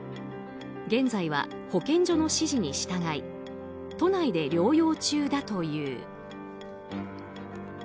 現在は保健所の指示に従い都内で療養中だという。